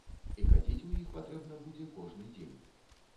І хадзіць у іх патрэбна будзе кожны дзень.